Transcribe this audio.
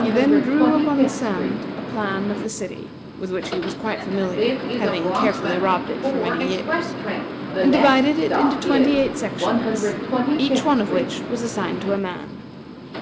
He then drew upon the sand a plan of the city, (with which he was quite familiar, having carefully robbed it for many years,) and divided it into twenty eight sections, each one of which was assigned to a man.